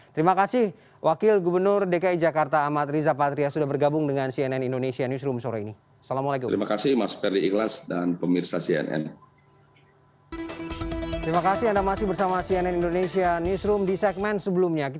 terima kasih wakil gubernur dki jakarta amat riza patria sudah bergabung dengan cnn indonesia newsroom sore ini